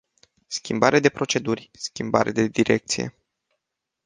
Schimbare de proceduri, schimbare de direcție.